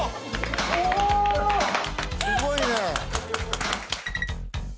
すごいね！